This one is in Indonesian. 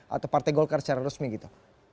atau partai golkar secara resmi gitu